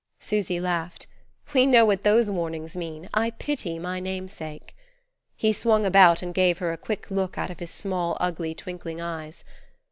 '" Susy laughed. "We know what those warnings mean! I pity my namesake." He swung about and gave her a quick look out of his small ugly twinkling eyes.